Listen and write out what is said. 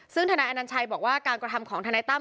ซึ่งฐานายอันนันชัยบอกว่าการกระทำของฐานายต่ำ